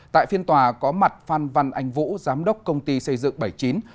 tại phiên tòa có mặt phan văn anh vũ giám đốc công ty xây dựng bảy mươi chín